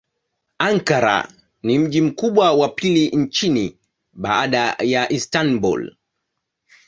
Ankara ni mji mkubwa wa pili nchini baada ya Istanbul.